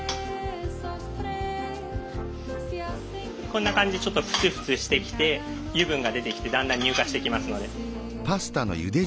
こんな感じでちょっとフツフツしてきて油分が出てきてだんだん乳化してきますので。